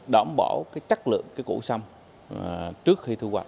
đảm bảo cái chất lượng của sâm trước khi thu hoạch